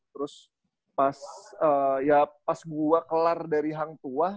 terus pas ya pas gue kelar dari hang tua